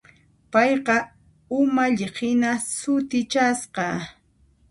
Payqa umalliqhina sutichasqa.